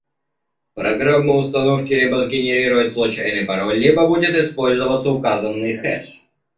Программа установки либо сгенерирует случайный пароль, либо будет использоваться указанный хэш